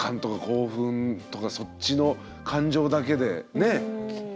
興奮とかそっちの感情だけでね。